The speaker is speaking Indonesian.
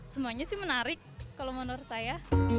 semuanya sih menarik kalau menurut saya